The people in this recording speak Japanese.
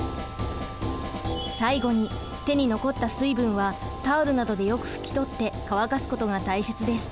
最後に手に残った水分はタオルなどでよく拭きとって乾かすことが大切です。